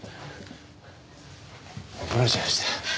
怒られちゃいました。